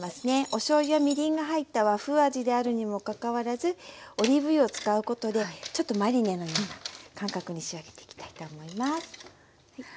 おしょうゆやみりんが入った和風味であるにもかかわらずオリーブ油を使うことでちょっとマリネのような感覚に仕上げていきたいと思います。